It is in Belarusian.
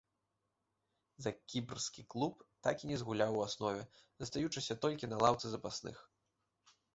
За кіпрскі клуб так і не згуляў у аснове, застаючыся толькі на лаўцы запасных.